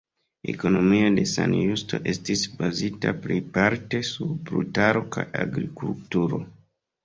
Ekonomio de San Justo estis bazita plejparte sur brutaro kaj agrikulturo.